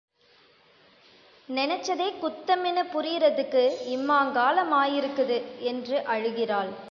நெனச்சதே குத்தமின்னு புரியிறத்துக்கு இம்மாங் காலமாயிருக்குது! என்று அழுகிறாள்.